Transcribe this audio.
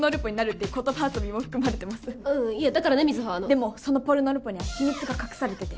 でもそのポルノルポには秘密が隠されてて。